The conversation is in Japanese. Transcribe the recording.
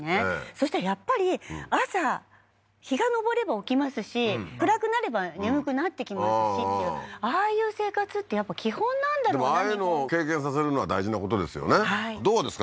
そしたらやっぱり朝日が昇れば起きますし暗くなれば眠くなってきますしっていうああいう生活ってやっぱ基本なんだろうなでもああいうのを経験させるのは大事なことですよねどうですか？